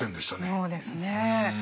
そうですね。